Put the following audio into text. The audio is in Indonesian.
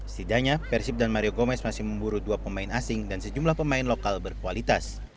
setidaknya persib dan mario gomez masih memburu dua pemain asing dan sejumlah pemain lokal berkualitas